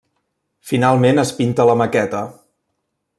Finalment es pinta la maqueta.